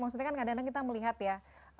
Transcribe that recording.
maksudnya kan kadang kadang kita melihat ya